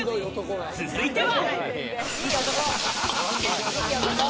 続いては。